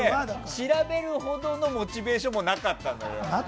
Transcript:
調べるほどのモチベーションもなかったのよ。